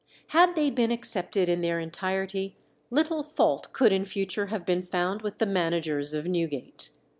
Had they been accepted in their entirety, little fault could in future have been found with the managers of Newgate.